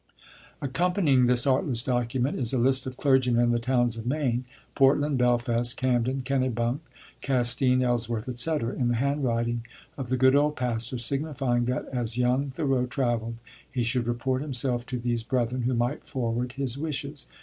_" Accompanying this artless document is a list of clergymen in the towns of Maine, Portland, Belfast, Camden, Kennebunk, Castine, Ellsworth, etc., in the handwriting of the good old pastor, signifying that as young Thoreau traveled he should report himself to these brethren, who might forward his wishes.